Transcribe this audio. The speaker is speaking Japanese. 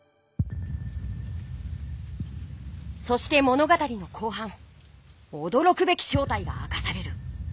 そして物語の後半おどろくべき正体が明かされる。